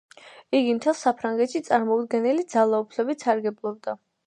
იგი მთელს საფრანგეთში წარმოუდგენელი ძალაუფლებით სარგებლობდა.